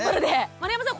丸山さん